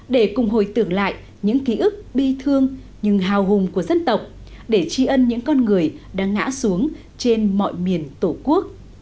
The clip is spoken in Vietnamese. để cùng hồi tưởng lại những ký ức bi thương nhưng hào hùng của dân tộc để tri ân những con người đã ngã xuống trên mọi miền tổ quốc